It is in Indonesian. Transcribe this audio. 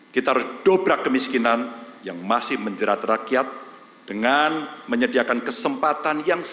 kita harus dobrak kemiskinan yang masih menjerat rakyat dengan menyediakan kesempatan yang sama